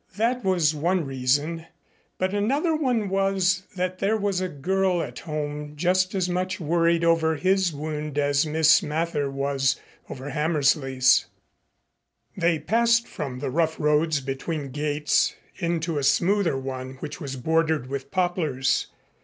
That was one reason. But another one was that there was a girl at home just as much worried over his wound as Miss Mather was over Hammersley's. They passed from the rough roads between gates into a smoother one which was bordered with poplars.